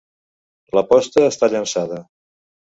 L'aposta està llançada.